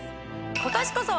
今年こそは！